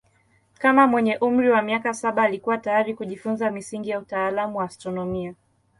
Kama mwenye umri wa miaka saba alikuwa tayari kujifunza misingi ya utaalamu wa astronomia.